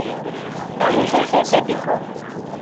Ahechasete piko.